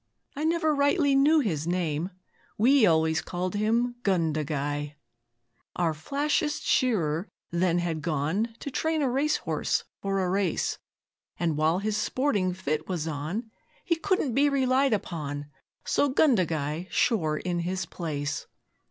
I never rightly knew his name We always call him "Gundagai"!' Our flashest shearer then had gone To train a racehorse for a race, And while his sporting fit was on He couldn't be relied upon, So 'Gundagai' shore in his place.